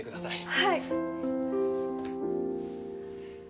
はい！